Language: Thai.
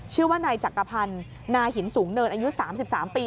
ชื่อว่านายจักรพันธ์นาหินสูงเนินอายุ๓๓ปี